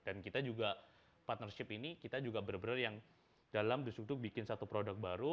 dan kita juga partnership ini kita juga benar benar yang dalam dus duk duk bikin satu produk baru